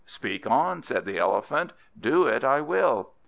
"Speak on," said the Elephant, "do it I will."